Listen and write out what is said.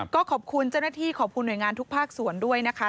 ก็ขอบคุณเจ้าหน้าที่ขอบคุณหน่วยงานทุกภาคส่วนด้วยนะคะ